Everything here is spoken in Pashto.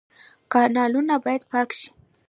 کانالونه باید پاک شي